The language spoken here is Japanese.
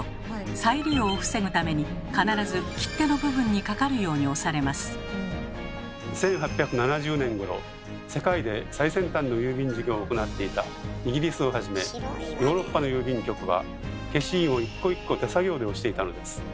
再利用を防ぐために必ず１８７０年ごろ世界で最先端の郵便事業を行っていたイギリスをはじめヨーロッパの郵便局は消印を一個一個手作業で押していたのです。